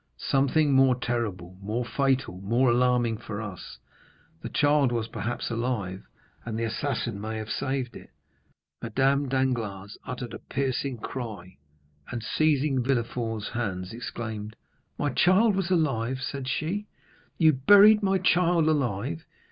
"Something more terrible, more fatal, more alarming for us—the child was, perhaps, alive, and the assassin may have saved it!" Madame Danglars uttered a piercing cry, and, seizing Villefort's hands, exclaimed, "My child was alive?" said she; "you buried my child alive?